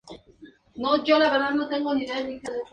Sus padres fueron Daniel McBride y Carolina Miller.